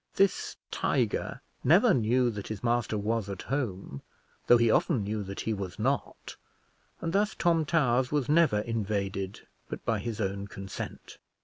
This tiger never knew that his master was at home, though he often knew that he was not, and thus Tom Towers was never invaded but by his own consent.